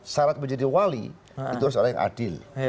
sarat menjadi wali itu harus orang yang adil